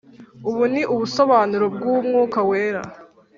Ubu ni ubusobanuro bw'Umwuka Wera